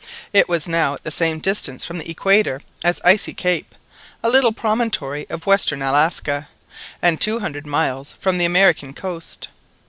It was now at the same distance from the equator as Icy Cape, a little promontory of western Alaska, and two hundred miles from the American coast.